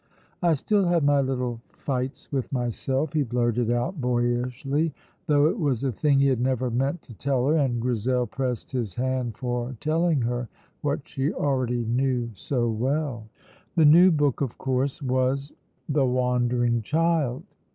"I still have my little fights with myself," he blurted out boyishly, though it was a thing he had never meant to tell her, and Grizel pressed his hand for telling her what she already knew so well. The new book, of course, was "The Wandering Child."